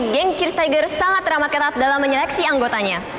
geng cheers tiger sangat ramah rethink dalam menyeleksi anggotanya